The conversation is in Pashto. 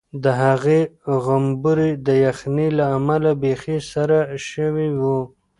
د هغې غومبوري د یخنۍ له امله بیخي سره شوي وو.